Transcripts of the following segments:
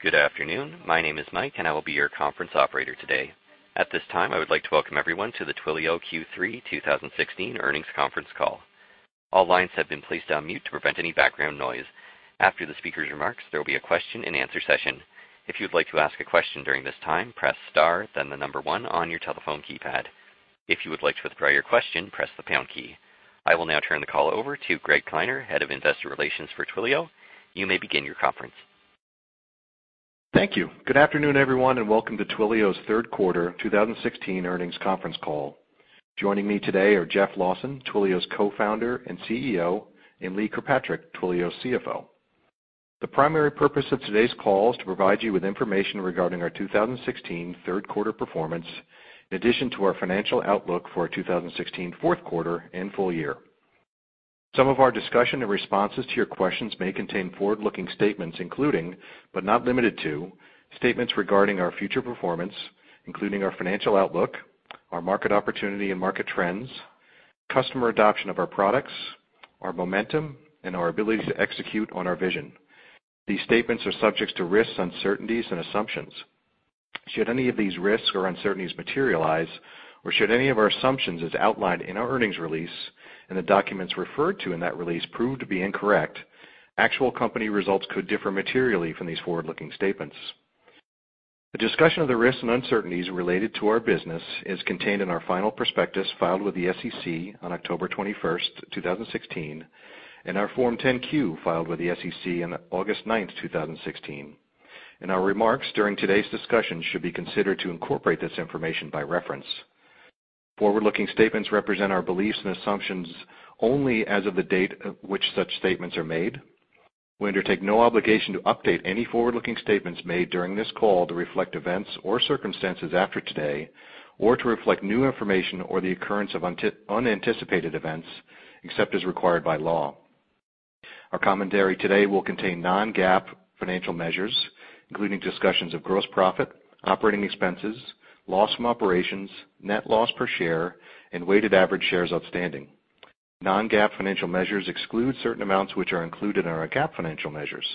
Good afternoon. My name is Mike. I will be your conference operator today. At this time, I would like to welcome everyone to the Twilio Q3 2016 earnings conference call. All lines have been placed on mute to prevent any background noise. After the speaker's remarks, there will be a question and answer session. If you would like to ask a question during this time, press star, then the number 1 on your telephone keypad. If you would like to withdraw your question, press the pound key. I will now turn the call over to Greg Kleiner, Head of Investor Relations for Twilio. You may begin your conference. Thank you. Good afternoon, everyone. Welcome to Twilio's third quarter 2016 earnings conference call. Joining me today are Jeff Lawson, Twilio's Co-founder and CEO, and Lee Kirkpatrick, Twilio's CFO. The primary purpose of today's call is to provide you with information regarding our 2016 third quarter performance, in addition to our financial outlook for 2016 fourth quarter and full year. Some of our discussion and responses to your questions may contain forward-looking statements, including, but not limited to, statements regarding our future performance, including our financial outlook, our market opportunity and market trends, customer adoption of our products, our momentum, and our ability to execute on our vision. These statements are subject to risks, uncertainties, and assumptions. Should any of these risks or uncertainties materialize, or should any of our assumptions as outlined in our earnings release and the documents referred to in that release prove to be incorrect, actual company results could differ materially from these forward-looking statements. A discussion of the risks and uncertainties related to our business is contained in our final prospectus filed with the SEC on October 21st, 2016, our Form 10-Q filed with the SEC on August 9th, 2016, and our remarks during today's discussion should be considered to incorporate this information by reference. Forward-looking statements represent our beliefs and assumptions only as of the date which such statements are made. We undertake no obligation to update any forward-looking statements made during this call to reflect events or circumstances after today, or to reflect new information or the occurrence of unanticipated events, except as required by law. Our commentary today will contain non-GAAP financial measures, including discussions of gross profit, operating expenses, loss from operations, net loss per share, and weighted average shares outstanding. Non-GAAP financial measures exclude certain amounts which are included in our GAAP financial measures.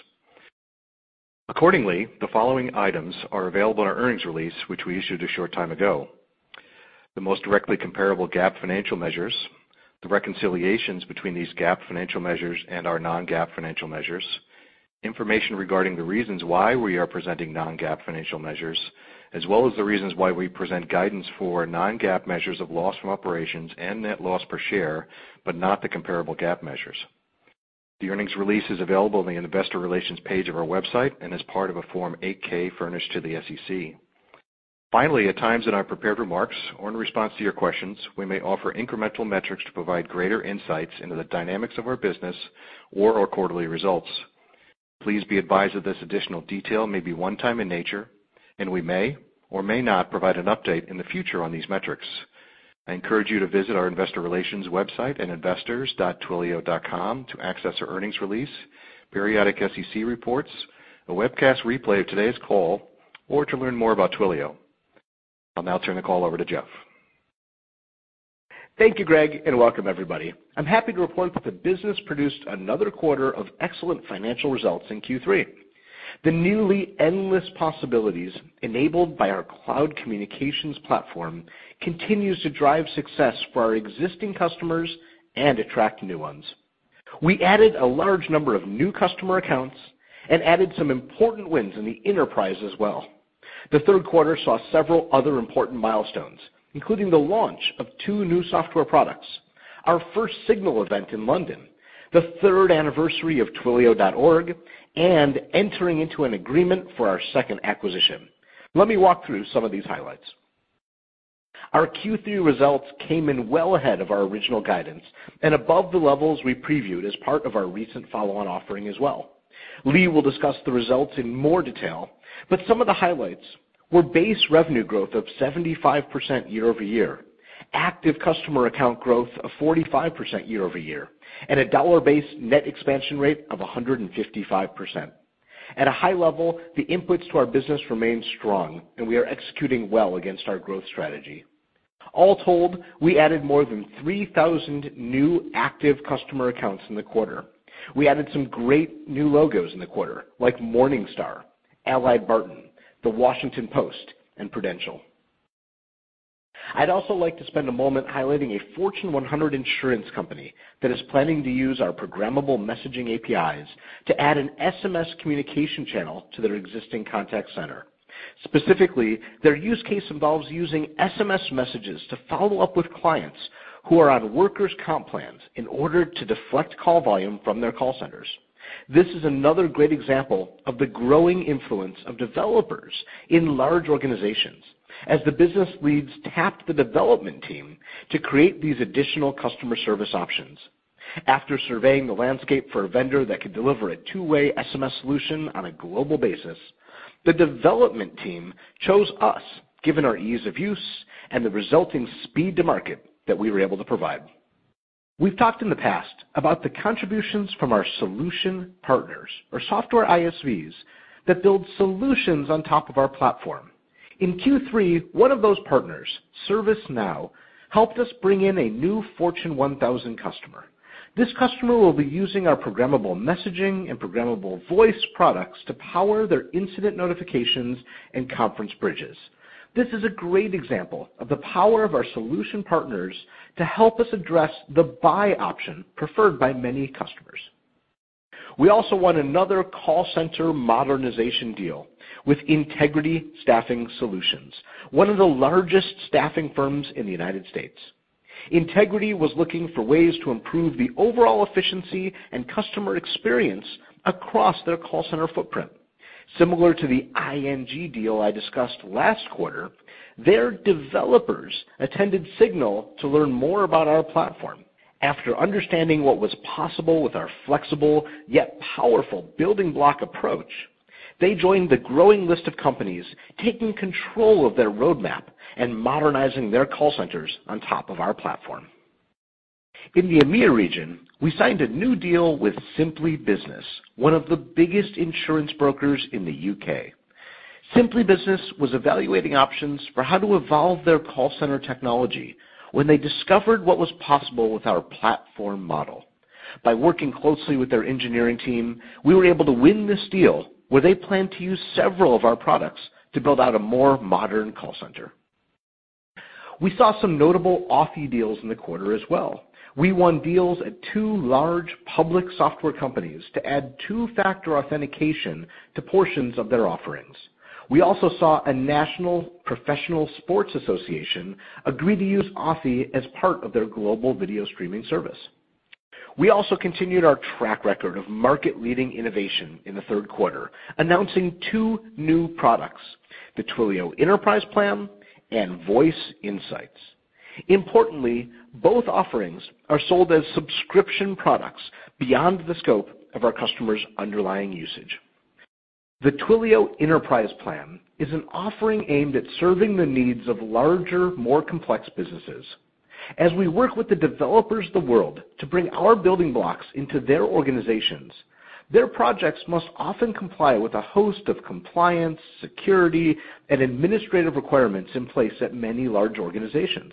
The following items are available in our earnings release, which we issued a short time ago: The most directly comparable GAAP financial measures, the reconciliations between these GAAP financial measures and our non-GAAP financial measures, information regarding the reasons why we are presenting non-GAAP financial measures, as well as the reasons why we present guidance for non-GAAP measures of loss from operations and net loss per share, but not the comparable GAAP measures. The earnings release is available on the investor relations page of our website and is part of a Form 8-K furnished to the SEC. Finally, at times in our prepared remarks or in response to your questions, we may offer incremental metrics to provide greater insights into the dynamics of our business or our quarterly results. Please be advised that this additional detail may be one-time in nature, and we may or may not provide an update in the future on these metrics. I encourage you to visit our investor relations website at investors.twilio.com to access our earnings release, periodic SEC reports, a webcast replay of today's call, or to learn more about Twilio. I'll now turn the call over to Jeff. Thank you, Greg. Welcome everybody. I'm happy to report that the business produced another quarter of excellent financial results in Q3. The newly endless possibilities enabled by our cloud communications platform continues to drive success for our existing customers and attract new ones. We added a large number of new customer accounts and added some important wins in the enterprise as well. The third quarter saw several other important milestones, including the launch of 2 new software products, our first SIGNAL event in London, the third anniversary of twilio.org, entering into an agreement for our second acquisition. Let me walk through some of these highlights. Our Q3 results came in well ahead of our original guidance and above the levels we previewed as part of our recent follow-on offering as well. Lee will discuss the results in more detail, some of the highlights were base revenue growth of 75% year-over-year, active customer account growth of 45% year-over-year, and a dollar-based net expansion rate of 155%. At a high level, the inputs to our business remain strong, we are executing well against our growth strategy. All told, we added more than 3,000 new active customer accounts in the quarter. We added some great new logos in the quarter, like Morningstar, AlliedBarton, The Washington Post, Prudential. I'd also like to spend a moment highlighting a Fortune 100 insurance company that is planning to use our programmable messaging APIs to add an SMS communication channel to their existing contact center. Specifically, their use case involves using SMS messages to follow up with clients who are on workers' comp plans in order to deflect call volume from their call centers. This is another great example of the growing influence of developers in large organizations as the business leads tap the development team to create these additional customer service options. After surveying the landscape for a vendor that could deliver a two-way SMS solution on a global basis, the development team chose us given our ease of use and the resulting speed to market that we were able to provide. We've talked in the past about the contributions from our solution partners or software ISVs that build solutions on top of our platform. In Q3, one of those partners, ServiceNow, helped us bring in a new Fortune 1000 customer. This customer will be using our programmable messaging and programmable voice products to power their incident notifications and conference bridges. This is a great example of the power of our solution partners to help us address the buy option preferred by many customers. We also won another call center modernization deal with Integrity Staffing Solutions, one of the largest staffing firms in the U.S. Integrity was looking for ways to improve the overall efficiency and customer experience across their call center footprint. Similar to the ING deal I discussed last quarter, their developers attended SIGNAL to learn more about our platform. After understanding what was possible with our flexible yet powerful building block approach, they joined the growing list of companies taking control of their roadmap and modernizing their call centers on top of our platform. In the EMEIA region, we signed a new deal with Simply Business, one of the biggest insurance brokers in the U.K. Simply Business was evaluating options for how to evolve their call center technology when they discovered what was possible with our platform model. By working closely with their engineering team, we were able to win this deal, where they plan to use several of our products to build out a more modern call center. We saw some notable Authy deals in the quarter as well. We won deals at two large public software companies to add two-factor authentication to portions of their offerings. We also saw a national professional sports association agree to use Authy as part of their global video streaming service. We also continued our track record of market-leading innovation in the third quarter, announcing two new products, the Twilio Enterprise Plan and Voice Insights. Importantly, both offerings are sold as subscription products beyond the scope of our customers' underlying usage. The Twilio Enterprise Plan is an offering aimed at serving the needs of larger, more complex businesses. As we work with the developers of the world to bring our building blocks into their organizations, their projects must often comply with a host of compliance, security, and administrative requirements in place at many large organizations.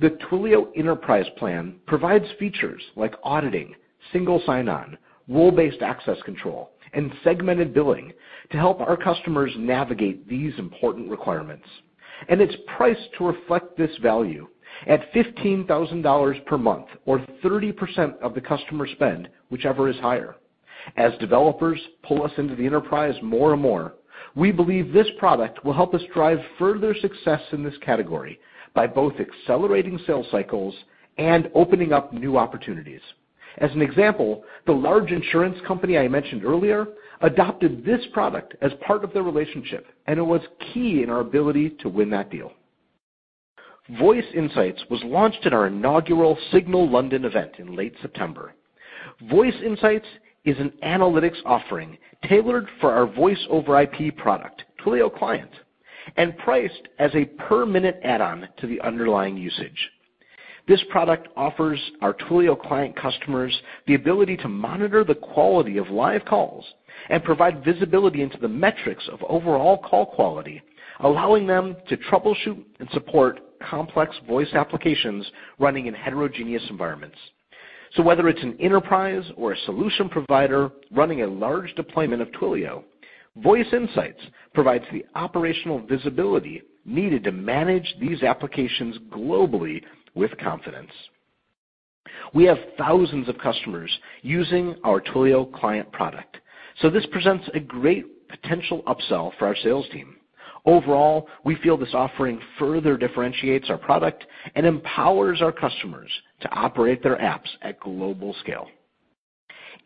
The Twilio Enterprise Plan provides features like auditing, single sign-on, role-based access control, and segmented billing to help our customers navigate these important requirements. And it's priced to reflect this value at $15,000 per month or 30% of the customer spend, whichever is higher. As developers pull us into the enterprise more and more, we believe this product will help us drive further success in this category by both accelerating sales cycles and opening up new opportunities. As an example, the large insurance company I mentioned earlier adopted this product as part of their relationship, and it was key in our ability to win that deal. Voice Insights was launched at our inaugural SIGNAL London event in late September. Voice Insights is an analytics offering tailored for our voice-over-IP product, Twilio Client, and priced as a per-minute add-on to the underlying usage. This product offers our Twilio Client customers the ability to monitor the quality of live calls and provide visibility into the metrics of overall call quality, allowing them to troubleshoot and support complex voice applications running in heterogeneous environments. So whether it's an enterprise or a solution provider running a large deployment of Twilio, Voice Insights provides the operational visibility needed to manage these applications globally with confidence. We have thousands of customers using our Twilio Client product, so this presents a great potential upsell for our sales team. Overall, we feel this offering further differentiates our product and empowers our customers to operate their apps at global scale.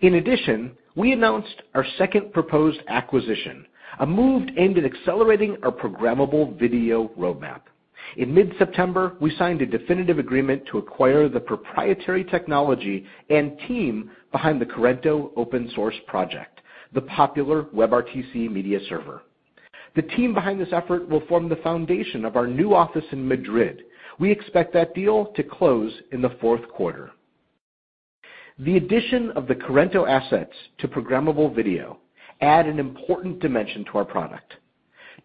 In addition, we announced our second proposed acquisition, a move aimed at accelerating our programmable video roadmap. In mid-September, we signed a definitive agreement to acquire the proprietary technology and team behind the Kurento open source project, the popular WebRTC media server. The team behind this effort will form the foundation of our new office in Madrid. We expect that deal to close in the fourth quarter. The addition of the Kurento assets to programmable video add an important dimension to our product.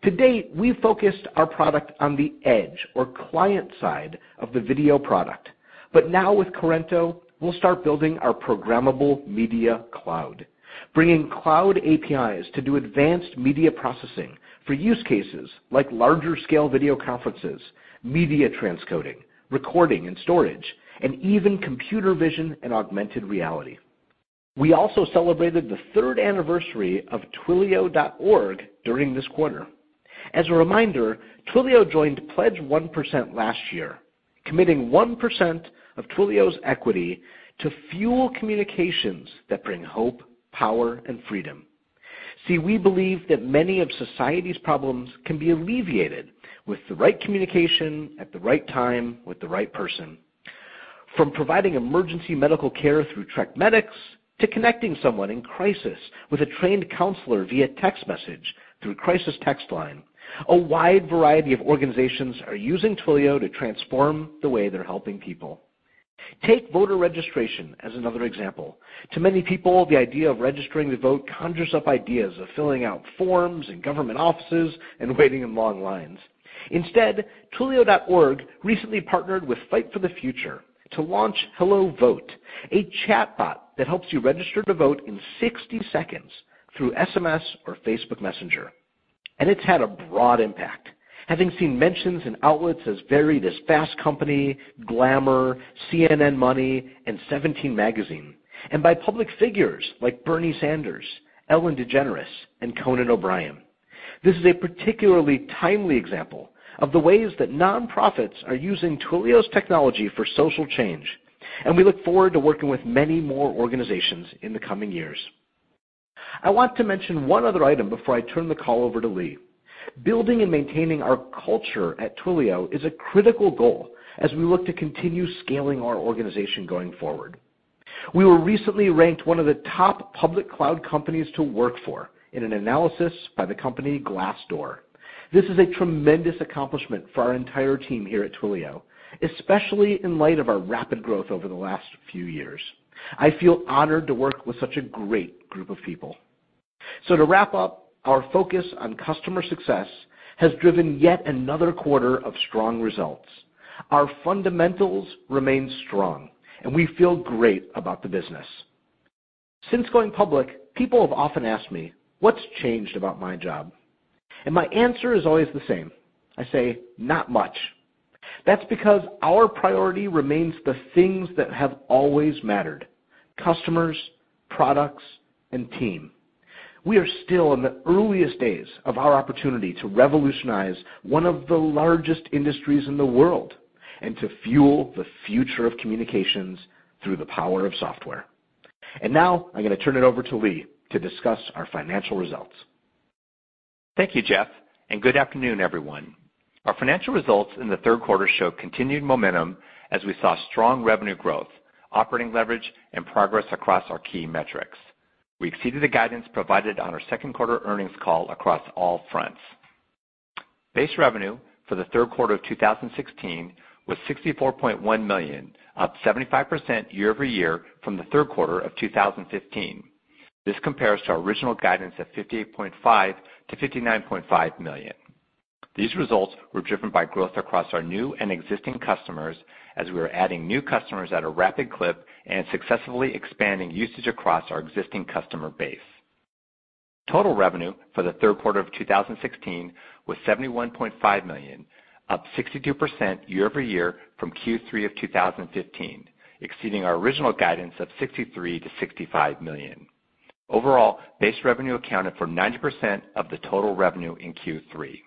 To date, we focused our product on the edge or client side of the video product. But now with Kurento, we'll start building our programmable media cloud, bringing cloud APIs to do advanced media processing for use cases like larger scale video conferences, media transcoding, recording and storage, and even computer vision and augmented reality. We also celebrated the third anniversary of twilio.org during this quarter. As a reminder, Twilio joined Pledge 1% last year, committing 1% of Twilio's equity to fuel communications that bring hope, power, and freedom. See, we believe that many of society's problems can be alleviated with the right communication at the right time with the right person. From providing emergency medical care through Trek Medics to connecting someone in crisis with a trained counselor via text message through Crisis Text Line, a wide variety of organizations are using Twilio to transform the way they're helping people. Take voter registration as another example. To many people, the idea of registering to vote conjures up ideas of filling out forms in government offices and waiting in long lines. Instead, twilio.org recently partnered with Fight for the Future to launch HelloVote, a chatbot that helps you register to vote in 60 seconds through SMS or Facebook Messenger. It's had a broad impact, having seen mentions in outlets as varied as Fast Company, Glamour, CNN Money, and Seventeen magazine, and by public figures like Bernie Sanders, Ellen DeGeneres, and Conan O'Brien. This is a particularly timely example of the ways that nonprofits are using Twilio's technology for social change, and we look forward to working with many more organizations in the coming years. I want to mention one other item before I turn the call over to Lee. Building and maintaining our culture at Twilio is a critical goal as we look to continue scaling our organization going forward. We were recently ranked one of the top public cloud companies to work for in an analysis by the company Glassdoor. This is a tremendous accomplishment for our entire team here at Twilio, especially in light of our rapid growth over the last few years. I feel honored to work with such a great group of people. To wrap up, our focus on customer success has driven yet another quarter of strong results. Our fundamentals remain strong, and we feel great about the business. Since going public, people have often asked me, "What's changed about my job?" My answer is always the same. I say, "Not much." That's because our priority remains the things that have always mattered, customers, products, and team. We are still in the earliest days of our opportunity to revolutionize one of the largest industries in the world and to fuel the future of communications through the power of software. Now I'm going to turn it over to Lee to discuss our financial results. Thank you, Jeff, and good afternoon, everyone. Our financial results in the third quarter show continued momentum as we saw strong revenue growth, operating leverage, and progress across our key metrics. We exceeded the guidance provided on our second quarter earnings call across all fronts. Base revenue for the third quarter of 2016 was $64.1 million, up 75% year-over-year from the third quarter of 2015. This compares to our original guidance of $58.5 million-$59.5 million. These results were driven by growth across our new and existing customers as we were adding new customers at a rapid clip and successfully expanding usage across our existing customer base. Total revenue for the third quarter of 2016 was $71.5 million, up 62% year-over-year from Q3 of 2015, exceeding our original guidance of $63 million-$65 million. Overall, base revenue accounted for 90% of the total revenue in Q3.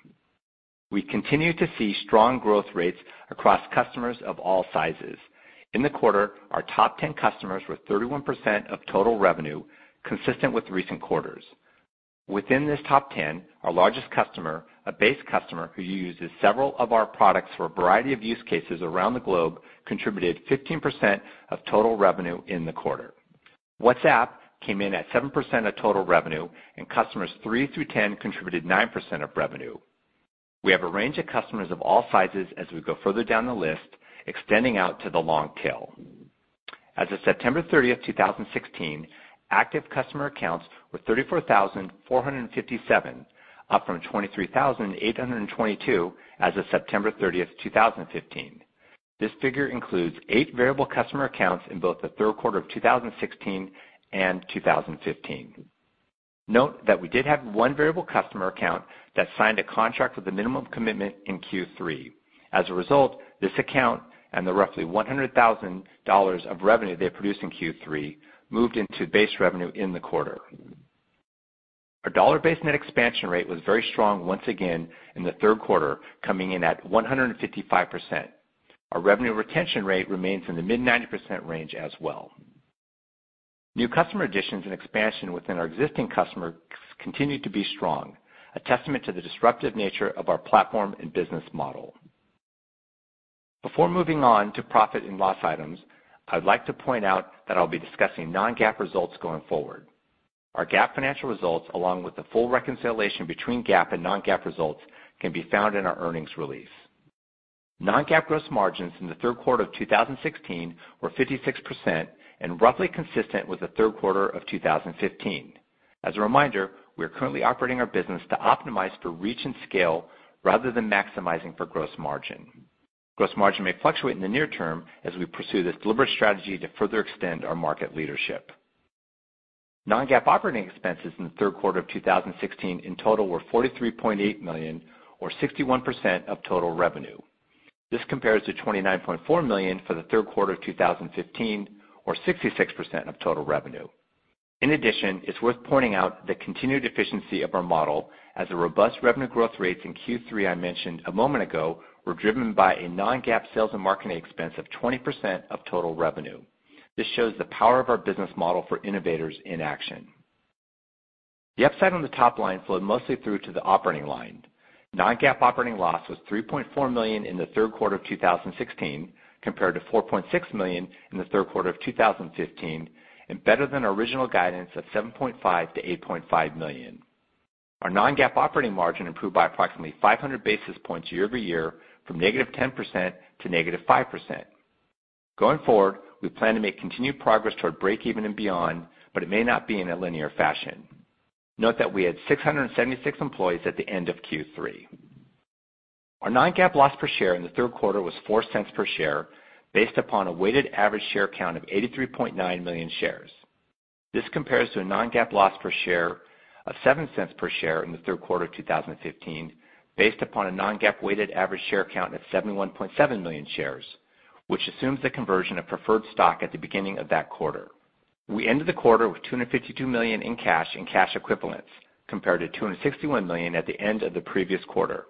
We continue to see strong growth rates across customers of all sizes. In the quarter, our top 10 customers were 31% of total revenue, consistent with recent quarters. Within this top 10, our largest customer, a base customer who uses several of our products for a variety of use cases around the globe, contributed 15% of total revenue in the quarter. WhatsApp came in at 7% of total revenue, and customers three through 10 contributed 9% of revenue. We have a range of customers of all sizes as we go further down the list, extending out to the long tail. As of September 30, 2016, active customer accounts were 34,457, up from 23,822 as of September 30, 2015. This figure includes eight variable customer accounts in both the third quarter of 2016 and 2015. Note that we did have one variable customer account that signed a contract with a minimum commitment in Q3. As a result, this account and the roughly $100,000 of revenue they produced in Q3 moved into base revenue in the quarter. Our dollar-based net expansion rate was very strong once again in the third quarter, coming in at 155%. Our revenue retention rate remains in the mid-90% range as well. New customer additions and expansion within our existing customers continued to be strong, a testament to the disruptive nature of our platform and business model. Before moving on to profit and loss items, I would like to point out that I'll be discussing non-GAAP results going forward. Our GAAP financial results, along with the full reconciliation between GAAP and non-GAAP results, can be found in our earnings release. Non-GAAP gross margins in the third quarter of 2016 were 56% and roughly consistent with the third quarter of 2015. As a reminder, we are currently operating our business to optimize for reach and scale rather than maximizing for gross margin. Gross margin may fluctuate in the near term as we pursue this deliberate strategy to further extend our market leadership. Non-GAAP operating expenses in the third quarter of 2016 in total were $43.8 million or 61% of total revenue. This compares to $29.4 million for the third quarter of 2015 or 66% of total revenue. In addition, it's worth pointing out the continued efficiency of our model as the robust revenue growth rates in Q3 I mentioned a moment ago were driven by a non-GAAP sales and marketing expense of 20% of total revenue. This shows the power of our business model for innovators in action. The upside on the top line flowed mostly through to the operating line. Non-GAAP operating loss was $3.4 million in the third quarter of 2016, compared to $4.6 million in the third quarter of 2015, and better than our original guidance of $7.5 million-$8.5 million. Our non-GAAP operating margin improved by approximately 500 basis points year-over-year from -10% to -5%. Going forward, we plan to make continued progress toward breakeven and beyond, it may not be in a linear fashion. Note that we had 676 employees at the end of Q3. Our non-GAAP loss per share in the third quarter was $0.04 per share, based upon a weighted average share count of 83.9 million shares. This compares to a non-GAAP loss per share of $0.07 per share in the third quarter of 2015, based upon a non-GAAP weighted average share count of 71.7 million shares, which assumes the conversion of preferred stock at the beginning of that quarter. We ended the quarter with $252 million in cash and cash equivalents, compared to $261 million at the end of the previous quarter.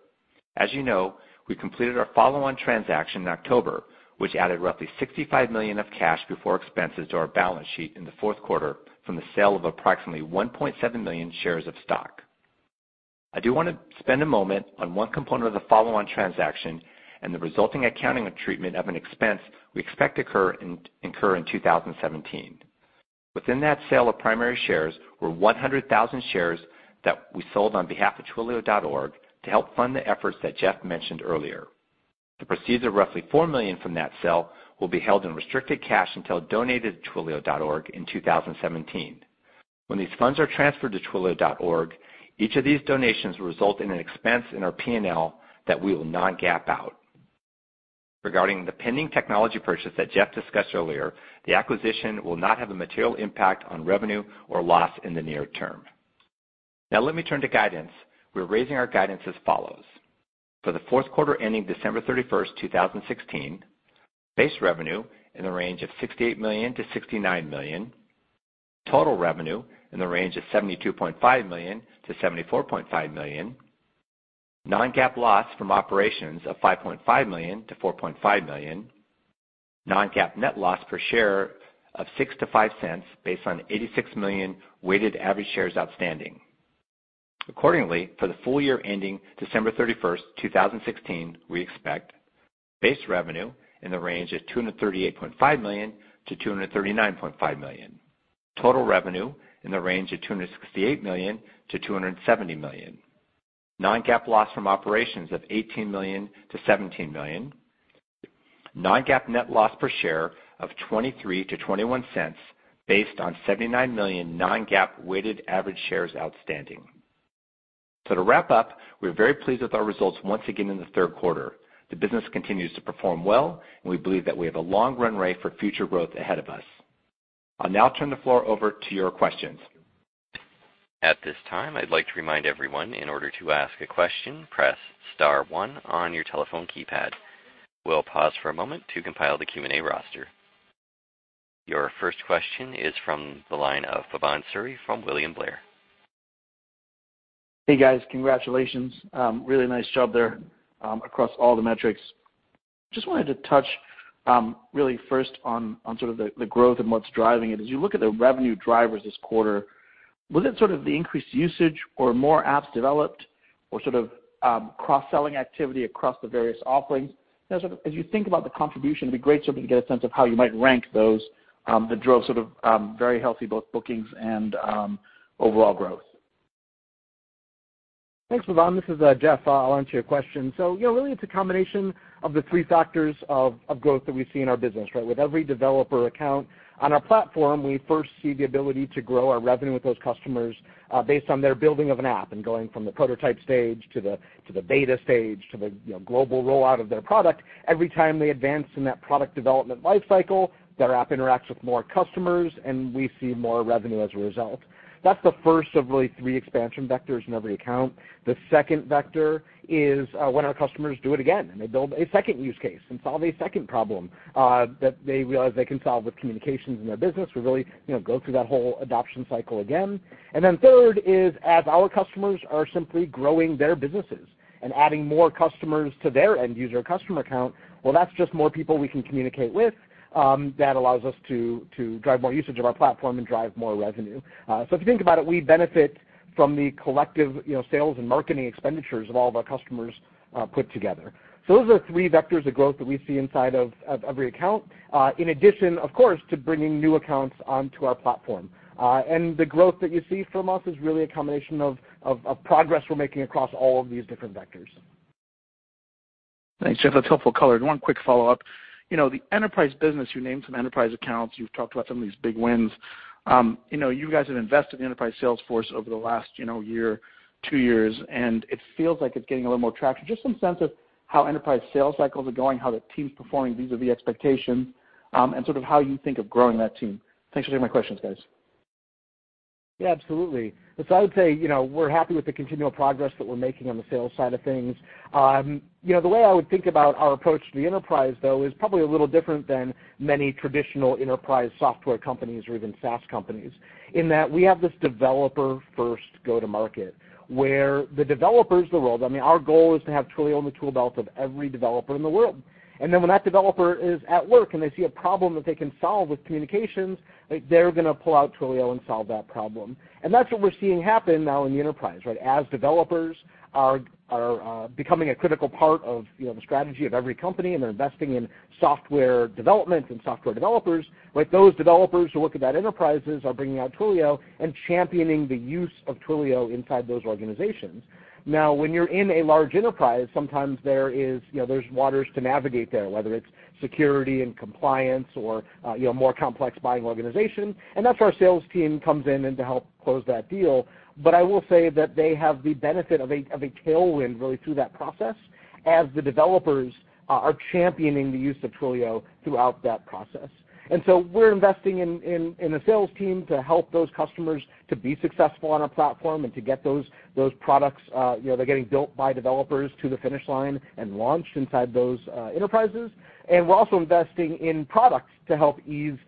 As you know, we completed our follow-on transaction in October, which added roughly $65 million of cash before expenses to our balance sheet in the fourth quarter from the sale of approximately 1.7 million shares of stock. I do want to spend a moment on one component of the follow-on transaction and the resulting accounting of treatment of an expense we expect to incur in 2017. Within that sale of primary shares were 100,000 shares that we sold on behalf of twilio.org to help fund the efforts that Jeff mentioned earlier. The proceeds of roughly $4 million from that sale will be held in restricted cash until donated to twilio.org in 2017. When these funds are transferred to twilio.org, each of these donations will result in an expense in our P&L that we will not GAAP out. Regarding the pending technology purchase that Jeff discussed earlier, the acquisition will not have a material impact on revenue or loss in the near term. Now let me turn to guidance. We're raising our guidance as follows. For the fourth quarter ending December 31st, 2016, base revenue in the range of $68 million to $69 million, total revenue in the range of $72.5 million to $74.5 million, non-GAAP loss from operations of $5.5 million to $4.5 million, non-GAAP net loss per share of $0.06 to $0.05 based on 86 million weighted average shares outstanding. Accordingly, for the full year ending December 31st, 2016, we expect base revenue in the range of $238.5 million to $239.5 million, total revenue in the range of $268 million to $270 million, non-GAAP loss from operations of $18 million to $17 million, non-GAAP net loss per share of $0.23 to $0.21 based on 79 million non-GAAP weighted average shares outstanding. To wrap up, we're very pleased with our results once again in the third quarter. The business continues to perform well, and we believe that we have a long run rate for future growth ahead of us. I'll now turn the floor over to your questions. At this time, I'd like to remind everyone, in order to ask a question, press star 1 on your telephone keypad. We'll pause for a moment to compile the Q&A roster. Your first question is from the line of Bhavan Suri from William Blair. Hey, guys. Congratulations. Really nice job there across all the metrics. Just wanted to touch really first on sort of the growth and what's driving it. As you look at the revenue drivers this quarter, was it sort of the increased usage or more apps developed or sort of cross-selling activity across the various offerings? As you think about the contribution, it'd be great sort of to get a sense of how you might rank those that drove sort of very healthy bookings and overall growth. Thanks, Bhavan. This is Jeff. Really, it's a combination of the three factors of growth that we see in our business, right? With every developer account on our platform, we first see the ability to grow our revenue with those customers based on their building of an app and going from the prototype stage to the beta stage to the global rollout of their product. Every time they advance in that product development life cycle, their app interacts with more customers, and we see more revenue as a result. That's the first of really three expansion vectors in every account. The second vector is when our customers do it again, and they build a second use case and solve a second problem that they realize they can solve with communications in their business. We really go through that whole adoption cycle again. Third is as our customers are simply growing their businesses and adding more customers to their end user customer account, well, that's just more people we can communicate with that allows us to drive more usage of our platform and drive more revenue. If you think about it, we benefit from the collective sales and marketing expenditures of all of our customers put together. Those are the three vectors of growth that we see inside of every account, in addition, of course, to bringing new accounts onto our platform. The growth that you see from us is really a combination of progress we're making across all of these different vectors. Thanks, Jeff. That's helpful color. One quick follow-up. The enterprise business, you named some enterprise accounts, you've talked about some of these big wins. You guys have invested in the enterprise sales force over the last year, two years, and it feels like it's getting a little more traction. Just some sense of how enterprise sales cycles are going, how the team's performing vis-à-vis expectations, and sort of how you think of growing that team. Thanks for taking my questions, guys. Yeah, absolutely. I would say, we're happy with the continual progress that we're making on the sales side of things. The way I would think about our approach to the enterprise, though, is probably a little different than many traditional enterprise software companies or even SaaS companies, in that we have this developer-first go to market, where the developers of the world Our goal is to have Twilio in the tool belt of every developer in the world. When that developer is at work and they see a problem that they can solve with communications, they're going to pull out Twilio and solve that problem. That's what we're seeing happen now in the enterprise, right? As developers are becoming a critical part of the strategy of every company, and they're investing in software development and software developers. Those developers who work at that enterprises are bringing out Twilio and championing the use of Twilio inside those organizations. Now, when you're in a large enterprise, sometimes there's waters to navigate there, whether it's security and compliance or more complex buying organization. That's where our sales team comes in and to help close that deal. I will say that they have the benefit of a tailwind, really, through that process as the developers are championing the use of Twilio throughout that process. We're investing in a sales team to help those customers to be successful on our platform and to get those products, they're getting built by developers to the finish line and launched inside those enterprises. We're also investing in products to help ease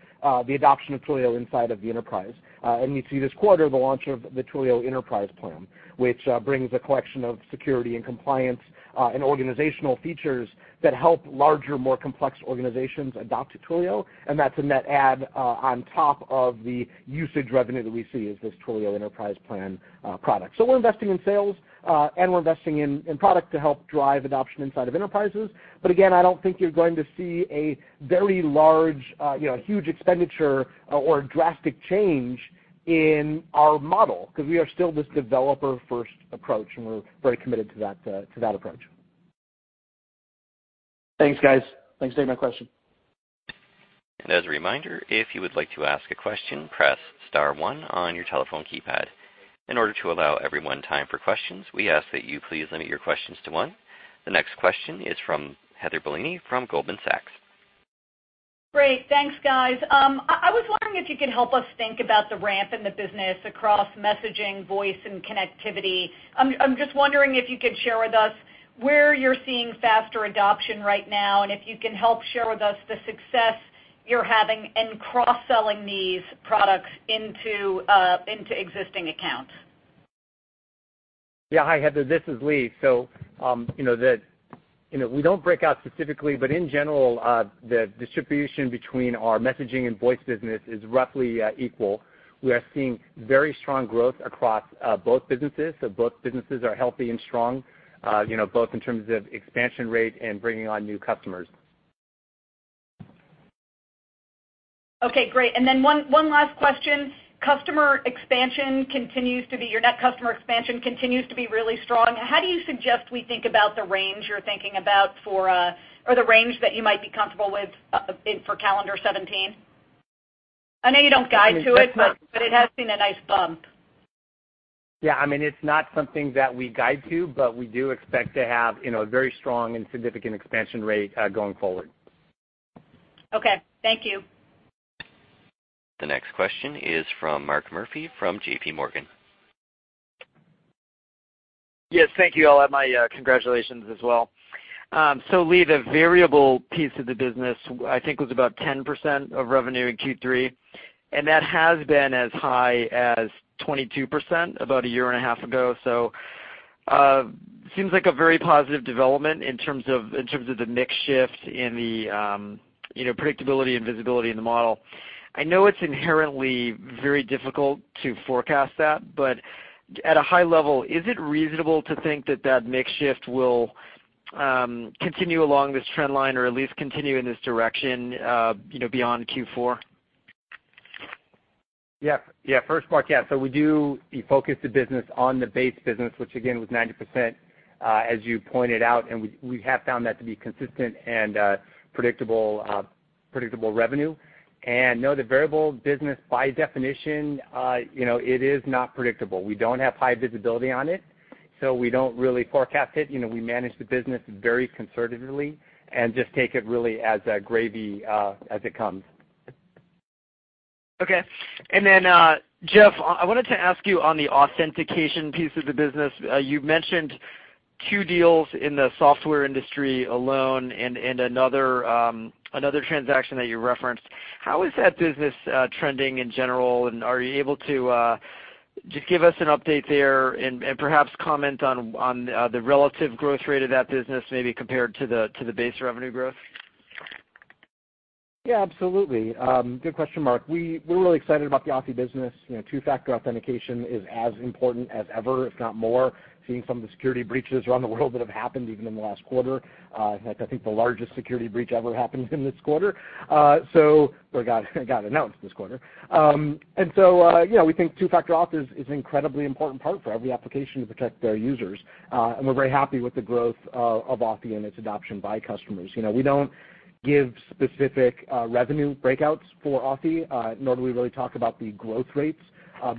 the adoption of Twilio inside of the enterprise. You see this quarter, the launch of the Twilio Enterprise Plan, which brings a collection of security and compliance, and organizational features that help larger, more complex organizations adopt to Twilio, and that's a net add on top of the usage revenue that we see as this Twilio Enterprise Plan product. We're investing in sales, and we're investing in product to help drive adoption inside of enterprises. Again, I don't think you're going to see a very large, huge expenditure or a drastic change in our model because we are still this developer-first approach, and we're very committed to that approach. Thanks, guys. Thanks for taking my question. As a reminder, if you would like to ask a question, press *1 on your telephone keypad. In order to allow everyone time for questions, we ask that you please limit your questions to one. The next question is from Heather Bellini from Goldman Sachs. Great. Thanks, guys. I was wondering if you could help us think about the ramp in the business across messaging, voice, and connectivity. I'm just wondering if you could share with us where you're seeing faster adoption right now, and if you can help share with us the success you're having in cross-selling these products into existing accounts. Yeah. Hi, Heather. This is Lee. We don't break out specifically, but in general, the distribution between our messaging and voice business is roughly equal. We are seeing very strong growth across both businesses. Both businesses are healthy and strong, both in terms of expansion rate and bringing on new customers. Okay, great. One last question. Your net customer expansion continues to be really strong. How do you suggest we think about the range you're thinking about, or the range that you might be comfortable with for calendar 2017? I know you don't guide to it, but it has seen a nice bump. Yeah. It's not something that we guide to, but we do expect to have a very strong and significant expansion rate going forward. Okay. Thank you. The next question is from Mark Murphy from JP Morgan. Yes. Thank you all. My congratulations as well. Lee, the variable piece of the business, I think, was about 10% of revenue in Q3, and that has been as high as 22% about a year and a half ago. Seems like a very positive development in terms of the mix shift in the predictability and visibility in the model. I know it's inherently very difficult to forecast that, but at a high level, is it reasonable to think that that mix shift will continue along this trend line or at least continue in this direction beyond Q4? First, Mark, we do focus the business on the base business, which again, was 90%, as you pointed out, and we have found that to be consistent and predictable revenue. Now the variable business, by definition, it is not predictable. We don't have high visibility on it, so we don't really forecast it. We manage the business very conservatively and just take it really as a gravy as it comes. Okay. Jeff, I wanted to ask you on the authentication piece of the business. You mentioned two deals in the software industry alone and another transaction that you referenced. How is that business trending in general, and are you able to just give us an update there and perhaps comment on the relative growth rate of that business, maybe compared to the base revenue growth? Yeah, absolutely. Good question, Mark. We're really excited about the Authy business. Two-factor authentication is as important as ever, if not more, seeing some of the security breaches around the world that have happened even in the last quarter. In fact, I think the largest security breach ever happened in this quarter. Or got announced this quarter. We think two-factor auth is incredibly important part for every application to protect their users. We're very happy with the growth of Authy and its adoption by customers. We don't give specific revenue breakouts for Authy, nor do we really talk about the growth rates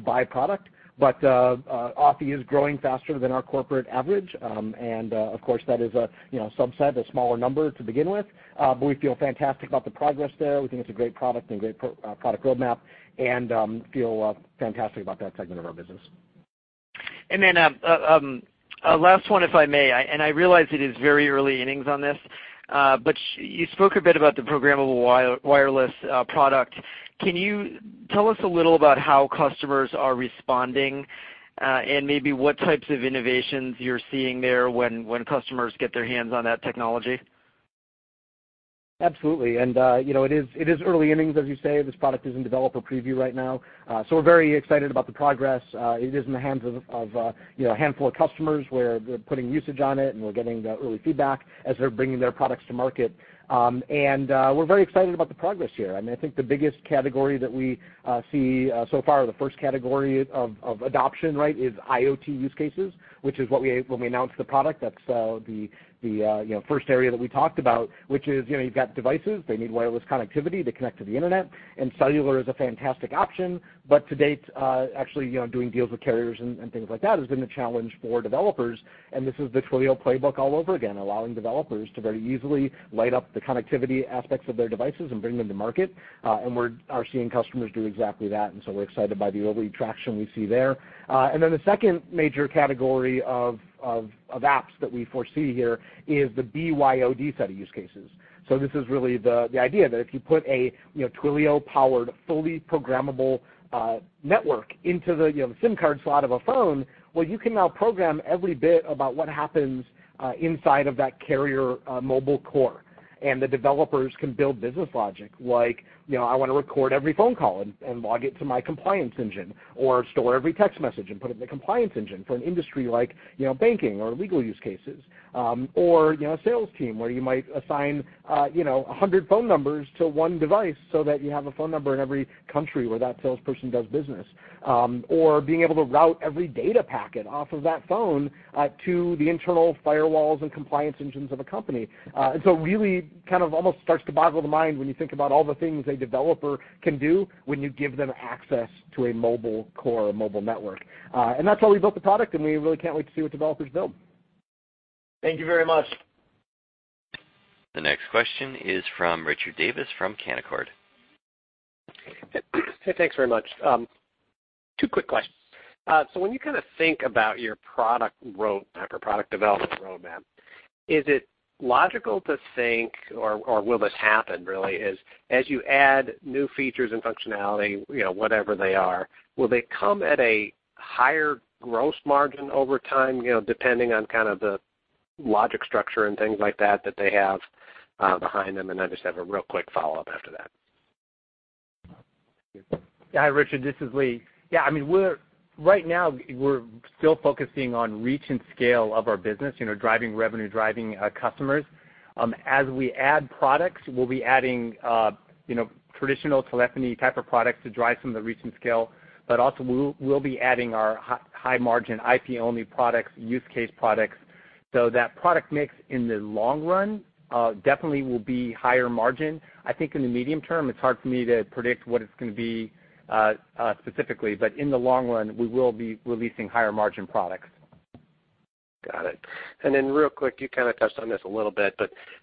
by product. Authy is growing faster than our corporate average. Of course, that is a subset, a smaller number to begin with. We feel fantastic about the progress there. We think it's a great product and great product roadmap, and feel fantastic about that segment of our business. Last one, if I may, and I realize it is very early innings on this, but you spoke a bit about the programmable wireless product. Can you tell us a little about how customers are responding and maybe what types of innovations you're seeing there when customers get their hands on that technology? Absolutely. It is early innings, as you say. This product is in developer preview right now. We're very excited about the progress. It is in the hands of a handful of customers where they're putting usage on it, and we're getting the early feedback as they're bringing their products to market. We're very excited about the progress here. I think the biggest category that we see so far, the first category of adoption is IoT use cases, which is when we announced the product, that's the first area that we talked about, which is, you've got devices, they need wireless connectivity to connect to the internet, and cellular is a fantastic option. To date, actually doing deals with carriers and things like that has been a challenge for developers, this is the Twilio playbook all over again, allowing developers to very easily light up the connectivity aspects of their devices and bring them to market. We are seeing customers do exactly that, we're excited by the early traction we see there. The second major category of apps that we foresee here is the BYOD set of use cases. This is really the idea that if you put a Twilio-powered, fully programmable network into the SIM card slot of a phone, well, you can now program every bit about what happens inside of that carrier mobile core. The developers can build business logic like, I want to record every phone call and log it to my compliance engine, or store every text message and put it in a compliance engine for an industry like banking or legal use cases. Or a sales team where you might assign 100 phone numbers to one device so that you have a phone number in every country where that salesperson does business. Or being able to route every data packet off of that phone to the internal firewalls and compliance engines of a company. Really kind of almost starts to boggle the mind when you think about all the things a developer can do when you give them access to a mobile core or mobile network. That's why we built the product, and we really can't wait to see what developers build. Thank you very much. The next question is from Richard Davis from Canaccord. Thanks very much. Two quick questions. When you think about your product roadmap or product development roadmap, is it logical to think, or will this happen, as you add new features and functionality, whatever they are, will they come at a higher gross margin over time, depending on kind of the logic structure and things like that they have behind them? I just have a real quick follow-up after that. Hi, Richard. This is Lee. Right now, we're still focusing on reach and scale of our business, driving revenue, driving customers. As we add products, we'll be adding traditional telephony type of products to drive some of the reach and scale, but also we'll be adding our high margin IP-only products, use case products. That product mix in the long run definitely will be higher margin. I think in the medium term, it's hard for me to predict what it's going to be specifically. In the long run, we will be releasing higher margin products. Got it. Then real quick, you kind of touched on this a little bit,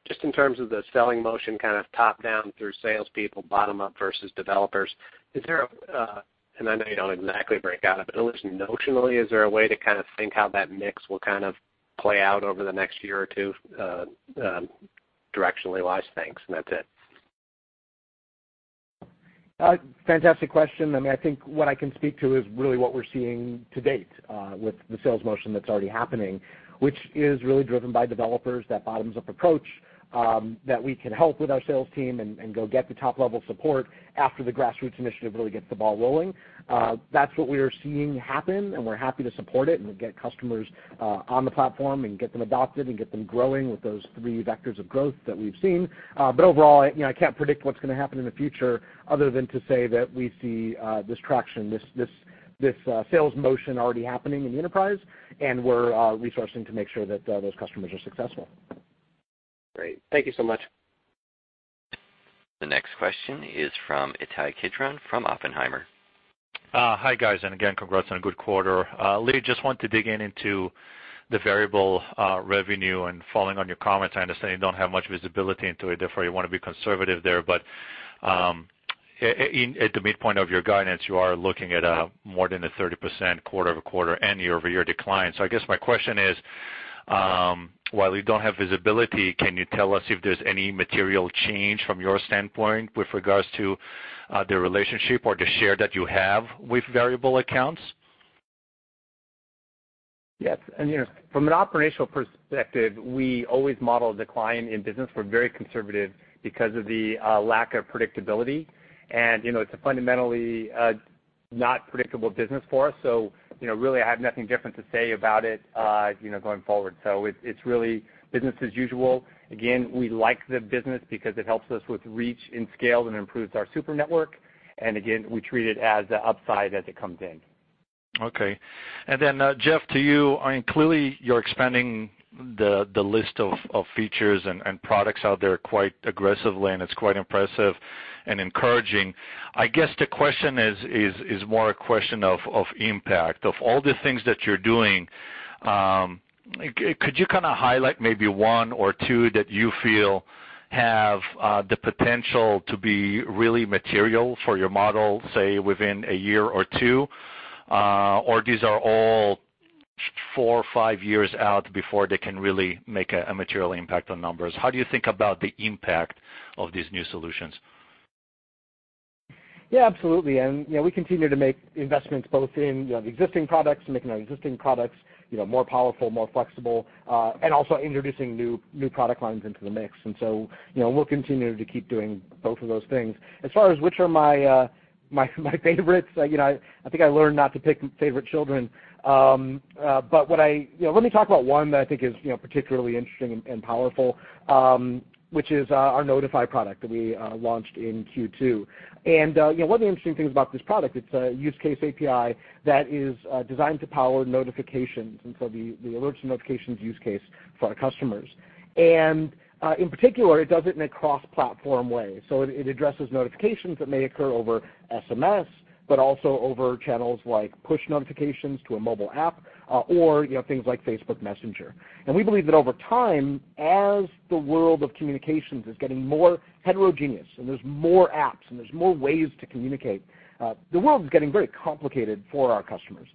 just in terms of the selling motion, kind of top-down through salespeople, bottom-up versus developers. I know you don't exactly break out, at least notionally, is there a way to kind of think how that mix will kind of play out over the next year or two directionally wise? Thanks, and that's it. Fantastic question. I think what I can speak to is really what we're seeing to date with the sales motion that's already happening, which is really driven by developers, that bottoms-up approach, that we can help with our sales team and go get the top-level support after the grassroots initiative really gets the ball rolling. That's what we are seeing happen, and we're happy to support it and get customers on the platform and get them adopted and get them growing with those three vectors of growth that we've seen. Overall, I can't predict what's going to happen in the future other than to say that we see this traction, this sales motion already happening in the enterprise, and we're resourcing to make sure that those customers are successful. Great. Thank you so much. The next question is from Ittai Kidron, from Oppenheimer. Hi, guys, again, congrats on a good quarter. Lee, just want to dig in into the variable revenue and following on your comments, I understand you don't have much visibility into it, therefore you want to be conservative there. At the midpoint of your guidance, you are looking at more than a 30% quarter-over-quarter and year-over-year decline. I guess my question is, while you don't have visibility, can you tell us if there's any material change from your standpoint with regards to the relationship or the share that you have with variable accounts? Yes. From an operational perspective, we always model decline in business. We're very conservative because of the lack of predictability. It's a fundamentally not predictable business for us. Really, I have nothing different to say about it going forward. It's really business as usual. Again, we like the business because it helps us with reach and scale and improves our super network. Again, we treat it as an upside as it comes in. Okay. Then, Jeff, to you, clearly you're expanding the list of features and products out there quite aggressively, and it's quite impressive and encouraging. I guess the question is more a question of impact. Of all the things that you're doing, could you highlight maybe one or two that you feel have the potential to be really material for your model, say, within a year or two? Or these are all four or five years out before they can really make a material impact on numbers. How do you think about the impact of these new solutions? Yeah, absolutely. We continue to make investments both in the existing products, making our existing products more powerful, more flexible, and also introducing new product lines into the mix. We'll continue to keep doing both of those things. As far as which are my favorites, I think I learned not to pick favorite children. Let me talk about one that I think is particularly interesting and powerful, which is our Notify product that we launched in Q2. One of the interesting things about this product, it's a use case API that is designed to power notifications, the alerts and notifications use case for our customers. In particular, it does it in a cross-platform way. It addresses notifications that may occur over SMS, but also over channels like push notifications to a mobile app, or things like Facebook Messenger. We believe that over time, as the world of communications is getting more heterogeneous, there's more apps and there's more ways to communicate, the world is getting very complicated for our customers.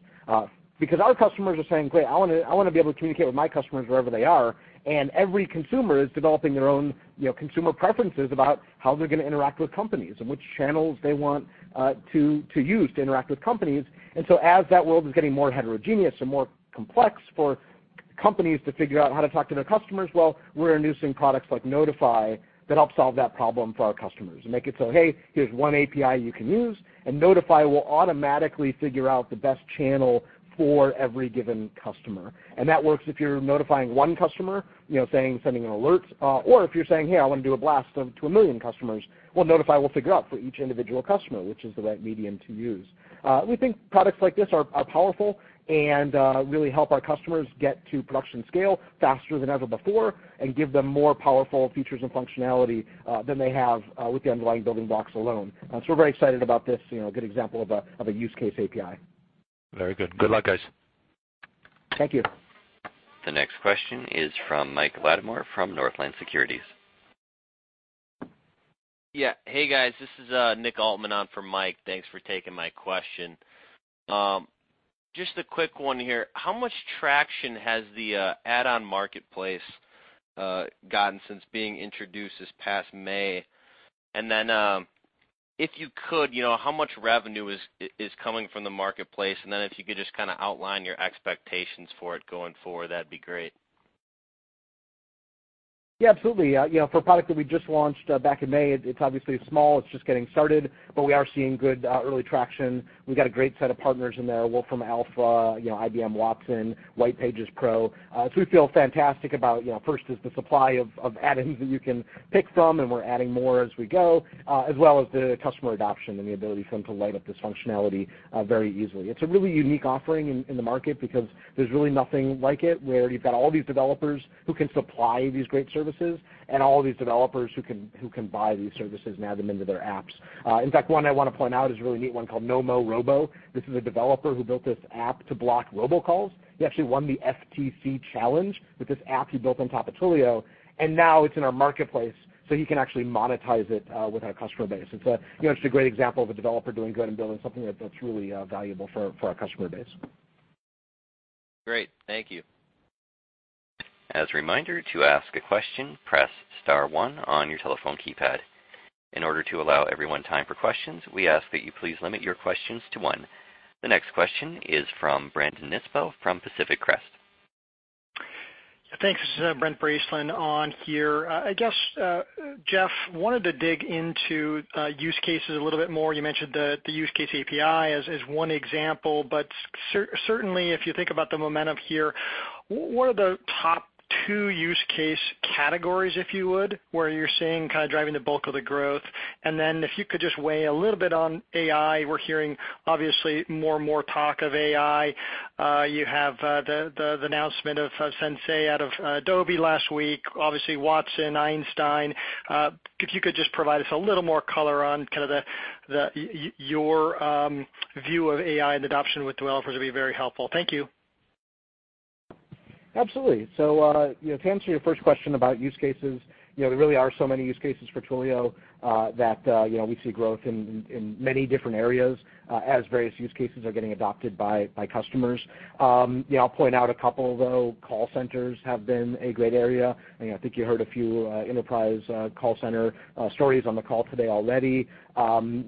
Because our customers are saying, "Great, I want to be able to communicate with my customers wherever they are," every consumer is developing their own consumer preferences about how they're going to interact with companies and which channels they want to use to interact with companies. As that world is getting more heterogeneous and more complex for companies to figure out how to talk to their customers, well, we're introducing products like Notify that help solve that problem for our customers and make it so, hey, here's one API you can use, Notify will automatically figure out the best channel for every given customer. That works if you're notifying one customer, sending an alert, or if you're saying, "Hey, I want to do a blast to 1 million customers." Notify will figure out for each individual customer which is the right medium to use. We think products like this are powerful and really help our customers get to production scale faster than ever before and give them more powerful features and functionality than they have with the underlying building blocks alone. We're very excited about this, a good example of a use case API. Very good. Good luck, guys. Thank you. The next question is from Mike Latimore from Northland Securities. Yeah. Hey, guys, this is Nick Altmann on for Mike. Thanks for taking my question. Just a quick one here. How much traction has the add-on marketplace gotten since being introduced this past May? If you could, how much revenue is coming from the marketplace? If you could just outline your expectations for it going forward, that'd be great. Yeah, absolutely. For a product that we just launched back in May, it's obviously small. It's just getting started, but we are seeing good early traction. We've got a great set of partners in there, Wolfram|Alpha, IBM Watson, Whitepages Pro. We feel fantastic about, first is the supply of add-ins that you can pick from, and we're adding more as we go, as well as the customer adoption and the ability for them to light up this functionality very easily. It's a really unique offering in the market because there's really nothing like it, where you've got all these developers who can supply these great services and all these developers who can buy these services and add them into their apps. In fact, one I want to point out is a really neat one called Nomorobo. This is a developer who built this app to block robocalls. He actually won the FTC Challenge with this app he built on top of Twilio, and now it's in our marketplace, he can actually monetize it with our customer base. It's just a great example of a developer doing good and building something that's really valuable for our customer base. Great. Thank you. As a reminder, to ask a question, press *1 on your telephone keypad. In order to allow everyone time for questions, we ask that you please limit your questions to one. The next question is from Brandon Nispel from Pacific Crest. Thanks. This is Brent Bracelin on here. I guess, Jeff, wanted to dig into use cases a little bit more. You mentioned the use case API as one example, but certainly if you think about the momentum here, what are the top 2 use case categories, if you would, where you're seeing kind of driving the bulk of the growth? If you could just weigh a little bit on AI. We're hearing, obviously, more and more talk of AI. You have the announcement of Adobe Sensei out of Adobe last week, obviously Watson, Einstein. If you could just provide us a little more color on your view of AI and adoption with developers would be very helpful. Thank you. Absolutely. To answer your first question about use cases, there really are so many use cases for Twilio that we see growth in many different areas as various use cases are getting adopted by customers. I'll point out a couple, though. Call centers have been a great area, and I think you heard a few enterprise call center stories on the call today already.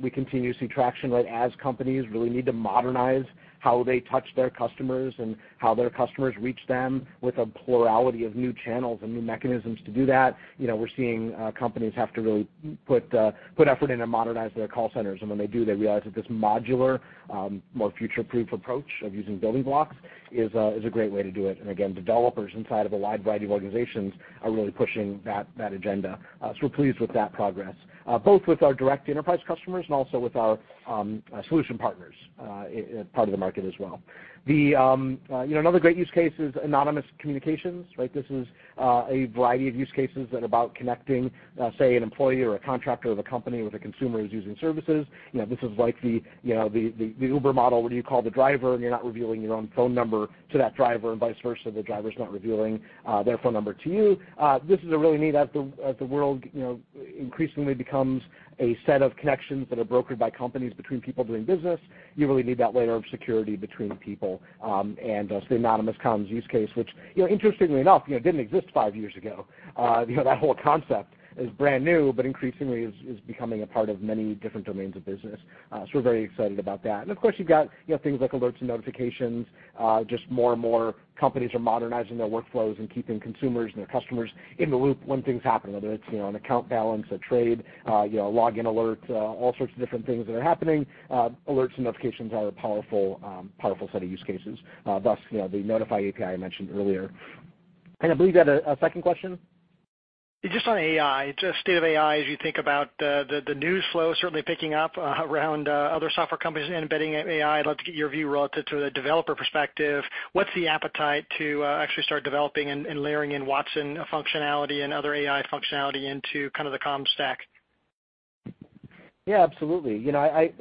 We continue to see traction as companies really need to modernize how they touch their customers and how their customers reach them with a plurality of new channels and new mechanisms to do that. We're seeing companies have to really put effort in to modernize their call centers. When they do, they realize that this modular, more future-proof approach of using building blocks is a great way to do it. Again, developers inside of a wide variety of organizations are really pushing that agenda. We're pleased with that progress, both with our direct enterprise customers and also with our solution partners part of the market as well. Another great use case is anonymous communications. This is a variety of use cases that are about connecting, say, an employee or a contractor of a company with a consumer who's using services. This is like the Uber model, where you call the driver, and you're not revealing your own phone number to that driver, and vice versa, the driver's not revealing their phone number to you. This is a really neat, as the world increasingly becomes a set of connections that are brokered by companies between people doing business, you really need that layer of security between people. The anonymous comms use case, which interestingly enough, didn't exist five years ago. That whole concept is brand new, but increasingly is becoming a part of many different domains of business. We're very excited about that. Of course, you've got things like alerts and notifications. More and more companies are modernizing their workflows and keeping consumers and their customers in the loop when things happen, whether it's an account balance, a trade, login alert, all sorts of different things that are happening. Alerts and notifications are a powerful set of use cases. Thus, the Notify API I mentioned earlier. I believe you had a second question? Just on AI, just state of AI as you think about the news flow certainly picking up around other software companies embedding AI. I'd love to get your view relative to the developer perspective. What's the appetite to actually start developing and layering in Watson functionality and other AI functionality into the comms stack? Yeah, absolutely.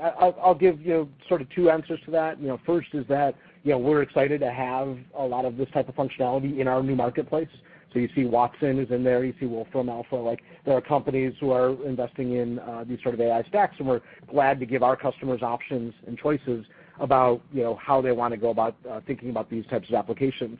I'll give you two answers to that. First is that we're excited to have a lot of this type of functionality in our new marketplace. You see Watson is in there, you see Wolfram|Alpha. There are companies who are investing in these sort of AI stacks, and we're glad to give our customers options and choices about how they want to go about thinking about these types of applications.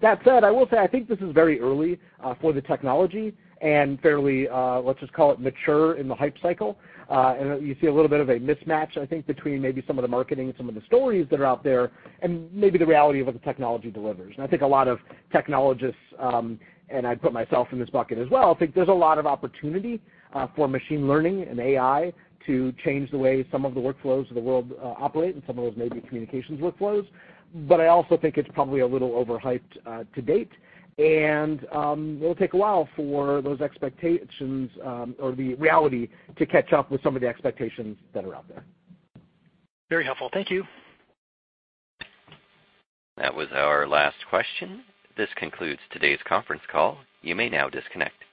That said, I will say, I think this is very early for the technology and fairly, let's just call it mature in the hype cycle. You see a little bit of a mismatch, I think, between maybe some of the marketing and some of the stories that are out there, and maybe the reality of what the technology delivers. I think a lot of technologists, and I'd put myself in this bucket as well, think there's a lot of opportunity for machine learning and AI to change the way some of the workflows of the world operate, and some of those may be communications workflows. I also think it's probably a little overhyped to date, it'll take a while for those expectations or the reality to catch up with some of the expectations that are out there. Very helpful. Thank you. That was our last question. This concludes today's conference call. You may now disconnect.